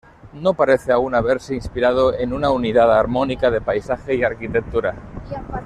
No parece aún haberse inspirado en una unidad armónica de paisaje y arquitectura.